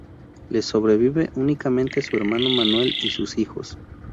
Le sobrevive únicamente su hermano Manuel y sus hijos.